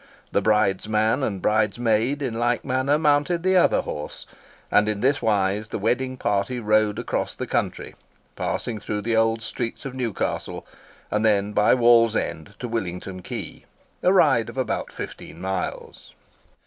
The bridesman and bridesmaid in like manner mounted the other horse; and in this wise the wedding party rode across the country, passing through the old streets of Newcastle, and then by Wallsend to Willington Quay—a ride of about fifteen miles.